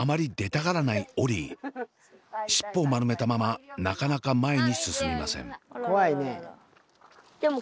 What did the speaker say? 尻尾を丸めたままなかなか前に進みません。